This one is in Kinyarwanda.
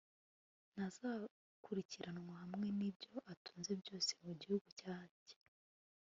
ntazakurikiranwa hamwe n'ibyo atunze byose mu gihugu cyanjye